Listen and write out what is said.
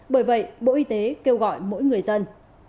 bởi vậy bộ y tế kêu gọi mỗi người dân